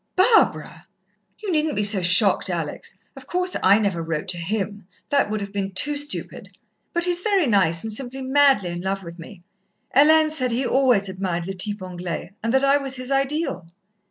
"Barbara!" "You needn't be so shocked, Alex. Of course, I never wrote to him that would have been too stupid; but he's very nice, and simply madly in love with me. Hélène said he always admired le type Anglais, and that I was his ideal."